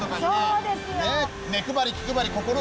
そうですよ！